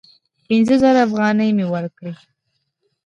پینځه زره افغانۍ مي ورکړې !